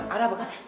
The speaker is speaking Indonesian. ada apa ya